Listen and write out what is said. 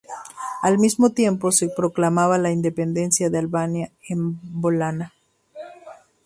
Al mismo tiempo, se proclamaba la independencia de Albania en Valona.